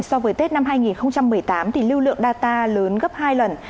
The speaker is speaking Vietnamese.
so với tết năm hai nghìn một mươi tám thì lưu lượng data lớn gấp hai lần